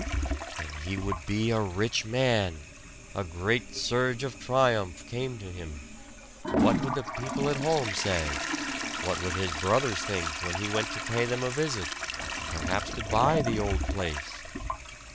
And he would be a rich man! A great surge of triumph came to him. What would the people at home say what would his brothers think when he went to pay them a visit, and perhaps to buy the old place?